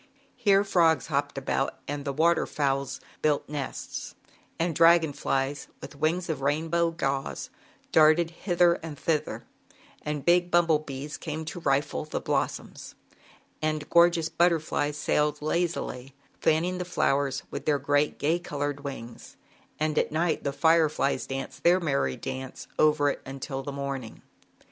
Here frogs hopped about and the water fowls built nests, and dragon flies with wings of rainbow gauze darted hither and thither, and big bumble bees came to rifle the blossoms, and gorgeous butterflies sailed lazily, fanning the flowers with their great gay colored wings, and at night the fireflies danced their merry dance over it until the morning.